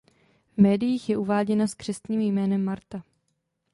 V médiích je uváděna s křestním jménem Marta.